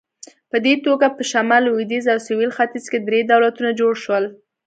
په دې توګه په شمال، لوېدیځ او سویل ختیځ کې درې دولتونه جوړ شول.